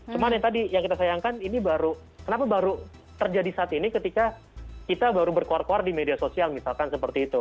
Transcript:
cuma yang tadi yang kita sayangkan ini baru kenapa baru terjadi saat ini ketika kita baru berkuar kuar di media sosial misalkan seperti itu